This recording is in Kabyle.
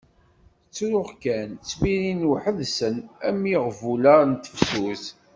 Ttruɣ kan, ttmirin weḥd-sen am yiɣbula di tefsut.